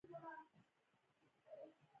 ځینې ژاولې د معدې لپاره ګټورې وي.